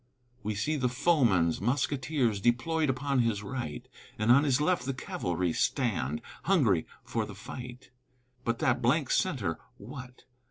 We see the foeman's musketeers Deployed upon his right, And on his left the cavalry Stand, hungry for the fight; But that blank centre what?